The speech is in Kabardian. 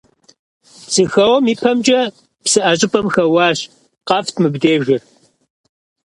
Псыхэуэм и пэмкӀэ псыӀэ щӀыпӀэм хэуащ: «КъэфтӀ мыбдежыр.».